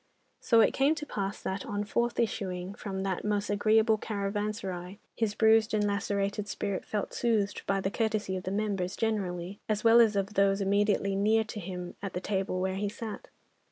So it came to pass that, on forth issuing from that most agreeable caravanserai, his bruised and lacerated spirit felt soothed by the courtesy of the members generally, as well as of those immediately near to him at the table where he sat.